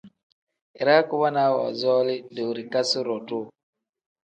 Iraa kubonaa woozooli doorikasi-ro duuu.